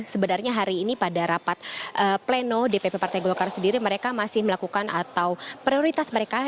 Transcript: sebenarnya hari ini pada rapat pleno dpp partai golkar sendiri mereka masih melakukan atau prioritas mereka